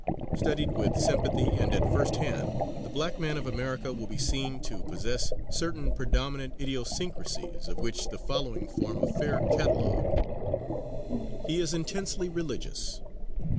Studied with sympathy and at first hand, the black man of America will be seen to possess certain predominant idiosyncrasies of which the following form a fair catalogue: _He is intensely religious.